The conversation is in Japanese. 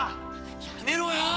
やめろよ！